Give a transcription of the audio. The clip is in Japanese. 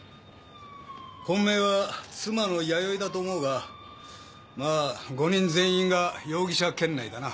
本命は妻の弥生だと思うがまぁ５人全員が容疑者圏内だな。